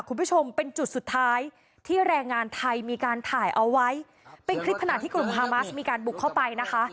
คุณผู้ชมเป็นจุดสุดท้ายที่แรงงานไทยมีการถ่ายเอาไว้เป็นคลิปขณะที่กลุ่มฮามาสมีการบุกเข้าไปนะคะ